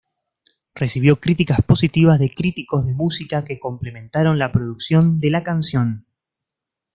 Recibió críticas positivas de críticos de música que complementaron la producción de la canción.